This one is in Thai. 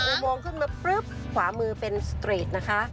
พออุโมงขึ้นมาความือเป็นสถานการณ์นะคะ